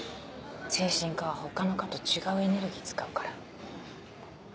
精神科は他の科と違うエネルギー使うから。